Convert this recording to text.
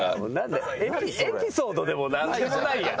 エピソードでも何でもないやん。